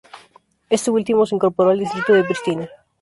Este último se incorporó al Distrito de Pristina.